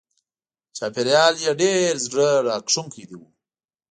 چاپېریال یې ډېر زړه راښکونکی و.